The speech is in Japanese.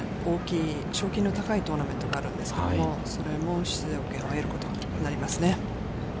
大きい賞金の高いトーナメントがあるんですけど、それの出場権を得ることになりますね。